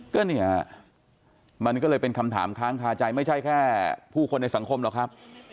ก็เนี่ยมันก็เลยเป็นคำถามค้างคาใจไม่ใช่แค่ผู้คนในสังคมหรอกครับ